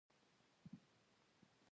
وطن زموږ د فرهنګ او دود ساتونکی دی.